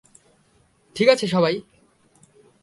ঠিক আছে, সবাই।